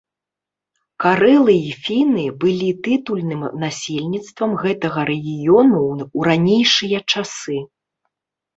Карэлы і фіны былі тытульным насельніцтвам гэтага рэгіёну ў ранейшыя часы.